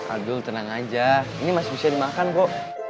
aduh tenang aja ini masih bisa dimakan kok